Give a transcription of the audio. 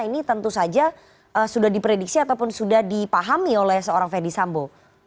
ini tentu saja sudah diprediksi ataupun sudah dipahami oleh seorang fedy sambo